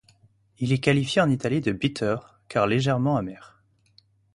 Il est qualifié en Italie de bitter car légèrement amer.